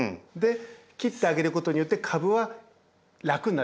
切ってあげることによって株は楽になりますよね。